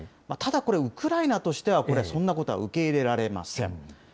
ただこれ、ウクライナとしては、これ、そんなことは受け入れられません。